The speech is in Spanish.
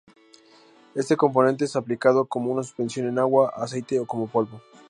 Este componente es aplicado como una suspensión en agua, aceite o como polvo.